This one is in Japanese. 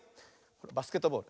バスケットボール。